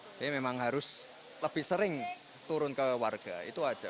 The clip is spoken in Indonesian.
jadi memang harus lebih sering turun ke warga itu aja